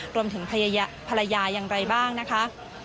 รวมถึงภรรยาอย่างไรบ้างนะคะ